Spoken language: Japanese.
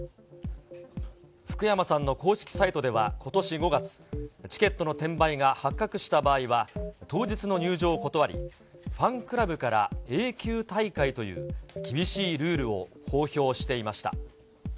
福山さんの公式サイトではことし５月、チケットの転売が発覚した場合は、当日の入場を断り、ファンクラブから永久退会という、厳しいルールを公表していました。